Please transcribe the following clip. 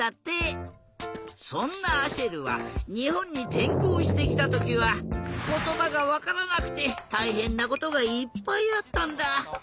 そんなアシェルはにほんにてんこうしてきたときはことばがわからなくてたいへんなことがいっぱいあったんだ。